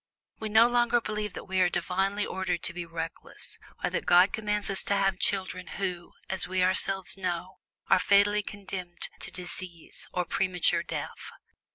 We no longer believe that we are divinely ordered to be reckless, or that God commands us to have children who, as we ourselves know, are fatally condemned to disease or premature death.